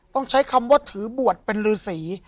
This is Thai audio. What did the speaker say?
ต้องใช้คำว่าถือบวชเป็นฤษี